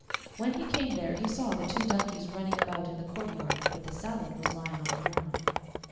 When he came there he saw the two donkeys running about in the courtyard, but the salad was lying on the ground.